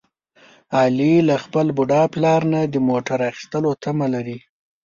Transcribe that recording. علي له خپل بوډا پلار نه د موټر اخیستلو تمه لري.